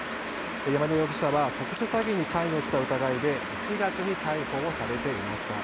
山田容疑者は特殊詐欺に関与した疑いで１月に逮捕をされていました。